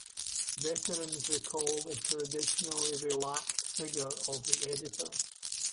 Veterans recall the traditionally 'relaxed' figure of the Editor.